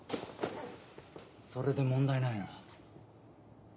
それで問題ないな？